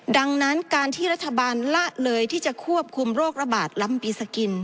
ดังนั้นการที่รัฐบาลละเลยที่จะควบคุมโรคระบาดล้ำปีสกิน